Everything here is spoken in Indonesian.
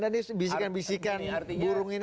ada nih bisikan bisikan burung ini